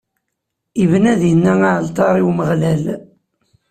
Ibna dinna aɛalṭar i Umeɣlal.